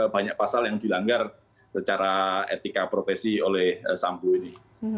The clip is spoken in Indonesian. banyak pasal yang dilanggar secara etika profesi oleh sambo ini